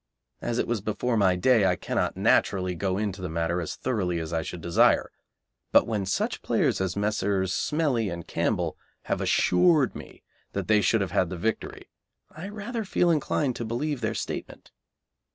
As it was before my day I cannot, naturally, go into the matter as thoroughly as I should desire, but when such players as Messrs. Smellie and Campbell have assured me that they should have had the victory, I rather feel inclined to believe their statement.